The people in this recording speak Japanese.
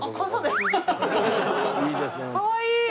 かわいい！